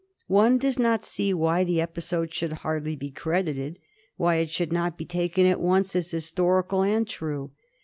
One does not see why the episode should hardly be credited, why it should not be taken at once as historical and true.